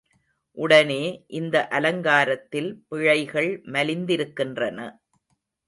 உடனே, இந்த அலங்காரத்தில் பிழைகள் மலிந்திருக்கின்றன.